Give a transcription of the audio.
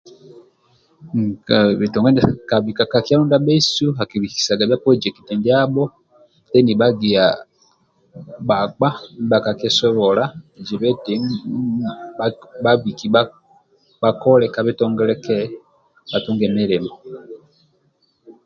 Huuu bitongole kabika ka kyalo ndia bhesu akibikisa bhia polojekiti ndiabho deni bhagia bhakpa ndibha bhakakieosobola zibe eti bhabike bhakole ka bitongole kehe bhatunge milimo